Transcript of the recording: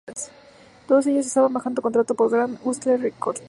Todos ellos estaban bajo contrato por Grand hustle Records.